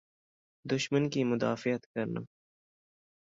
دشمن کی مدافعت کرنا۔